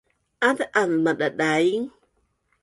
az’az madadaing